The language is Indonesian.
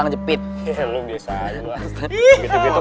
gua gitu gitu kenceng tuh